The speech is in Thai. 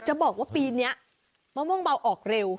จะบอกว่าปีนี้มะม่วงเบาออกเร็ว